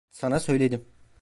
Sana söyledim.